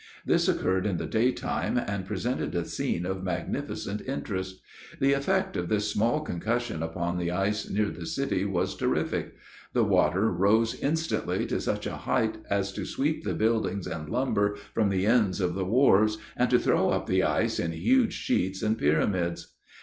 This occurred in the daytime, and presented a scene of magnificent interest. The effect of this small concussion upon the ice near the city was terrific. The water rose instantly to such a height as to sweep the buildings and lumber from the ends of the wharves, and to throw up the ice in huge sheets and pyramids.